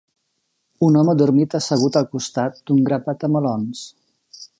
Un home dormita assegut al costat d'un grapat de melons.